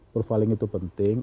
profiling itu penting